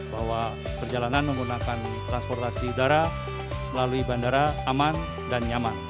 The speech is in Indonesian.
bahwa perjalanan menggunakan transportasi udara melalui bandara aman dan nyaman